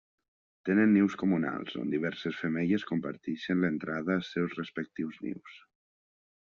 Tenen nius comunals, on diverses femelles comparteixen l'entrada als seus respectius nius.